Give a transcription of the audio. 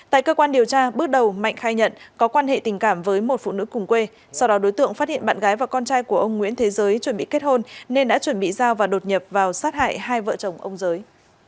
tại cơ quan điều tra bước đầu mạnh khai nhận có quan hệ tình cảm với một phụ nữ cùng quê sau đó đối tượng phát hiện bạn gái và con trai của ông nguyễn thế giới chuẩn bị kết hôn nên đã chuẩn bị giao và đột nhập vào sát hại hai vợ chồng ông giới